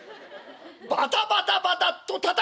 バタバタバタッとたたいたか！」。